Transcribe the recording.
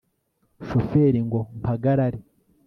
shoferi ngo mpagarare!